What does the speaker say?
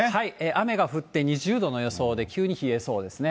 雨が降って２０度の予想で、急に冷えそうですね。